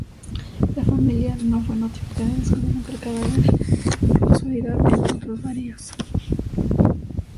La familia no fue notificada y descubrieron el cadáver por casualidad entre otros varios.